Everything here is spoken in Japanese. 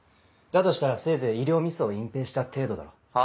だとしたらせいぜい医療ミスを隠蔽した程度だろう。は？